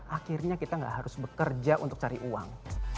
akhirnya kita gak harus bekerja untuk cari uang